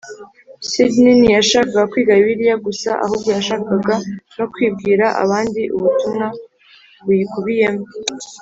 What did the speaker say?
Sydney ntiyashakaga kwiga Bibiliya gusa ahubwo yashakaga no kubwira abandi ubutumwa buyikubiyemo